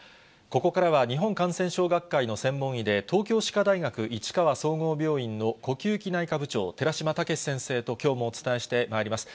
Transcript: ここからは、日本感染症学会の専門医で、東京歯科大学市川総合病院の呼吸器内科部長、寺嶋毅先生と、きょうもお伝えしてまいります。